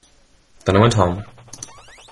Then I went home.